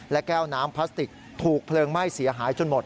และแก้วน้ำพลาสติกถูกเพลิงไหม้เสียหายจนหมด